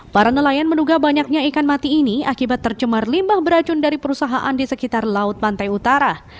para nelayan menduga banyaknya ikan mati ini akibat tercemar limbah beracun dari perusahaan di sekitar laut pantai utara